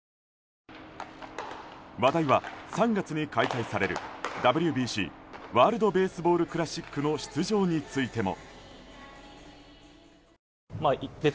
話題は３月に開催されるＷＢＣ・ワールド・ベースボール・クラシックの出場についても。